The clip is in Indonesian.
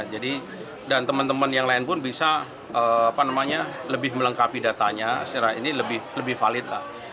jadi dan teman teman yang lain pun bisa lebih melengkapi datanya secara ini lebih valid lah